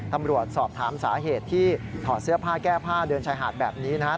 ตำรวจสอบถามสาเหตุที่ถอดเสื้อผ้าแก้ผ้าเดินชายหาดแบบนี้นะครับ